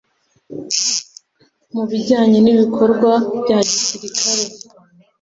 mu bijyanye n ibikorwa bya gisirikare